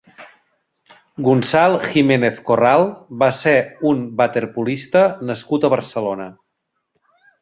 Gonçal Jiménez Corral va ser un waterpolista nascut a Barcelona.